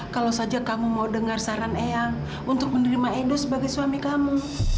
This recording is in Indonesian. kalau saja kamu mau dengar saran eyang untuk menerima edo sebagai suami kamu